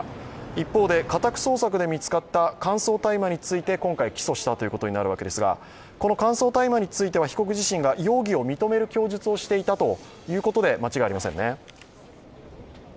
一方で、家宅捜索で見つかった乾燥大麻について今回、起訴したということになるわけですが、この乾燥大麻については被告自身が容疑を認める供述をしていたということで間違いありませんね？